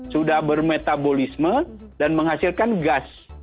sudah bermetabolisme dan menghasilkan gas